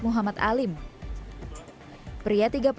muhammad alim pria